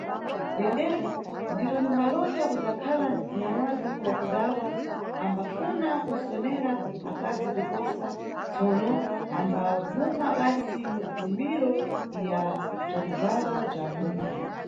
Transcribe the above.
Dendero, ndiro limbalota kudzakhala nyamadu wa kudala, ambafuna kusonera akazi kuposa, tsono ambabvuma basi mikumbiro ya bzwakubvala bzwa amuna.